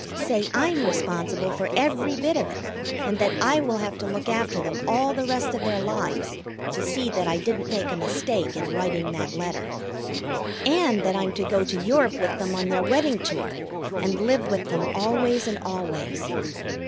Say I'm responsible for every bit of it, and that I will have to look after them all the rest of their lives to see that I didn't make a mistake in writing that letter. And that I'm to go to Europe with them on their wedding tour and live with them always and always.